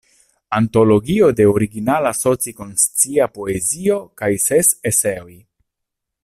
Antologio de originala soci-konscia poezio kaj ses eseoj.